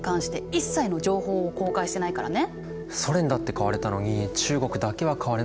ソ連だって変われたのに中国だけは変われなかったんだね。